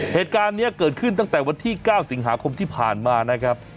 เหตุการณ์นี้เกิดขึ้นตั้งแต่วันที่๙สิงหาคมที่ผ่านมานะครับ